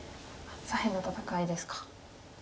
左辺の戦いですか。